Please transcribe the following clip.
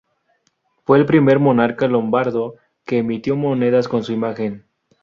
Fue el primer monarca lombardo que emitió monedas con su imagen.